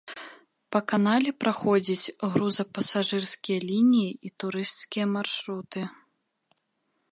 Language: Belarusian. Па канале праходзіць грузапасажырскія лініі і турысцкія маршруты.